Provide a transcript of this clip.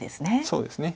そうですね。